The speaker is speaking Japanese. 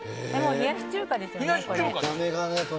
冷やし中華ですよね、もう。